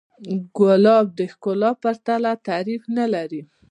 ګلاب د ښکلا پرته تعریف نه لري.